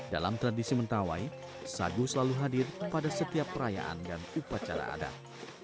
dalam tradisi mentawai sagu selalu hadir pada setiap perayaan dan upacara adat